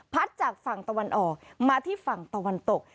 จากฝั่งตะวันออกมาที่ฝั่งตะวันตก